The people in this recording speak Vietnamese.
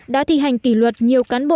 đã thi hành kỷ luật nhiều cán bộ